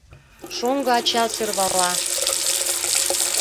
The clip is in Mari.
Шоҥго ача сӧрвала: